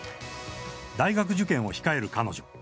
大学受験を控える彼女。